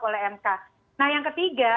oleh mk nah yang ketiga